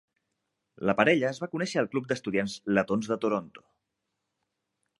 La parella es va conèixer al club d'estudiants letons de Toronto.